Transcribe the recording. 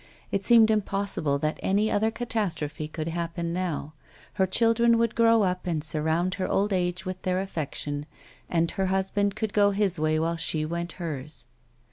It seemed impossible that any other catastrophe could happen now ; her children would grow up and surround her old age with their affection, and her husband could go his way while she Avent hers.